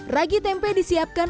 ragi tempe disiapkan